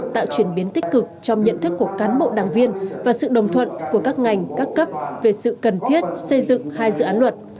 tạo chuyển biến tích cực trong nhận thức của cán bộ đảng viên và sự đồng thuận của các ngành các cấp về sự cần thiết xây dựng hai dự án luật